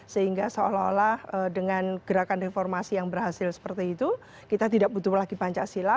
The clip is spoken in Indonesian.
sehingga seolah olah dengan gerakan reformasi yang berhasil seperti itu kita tidak butuh lagi pancasila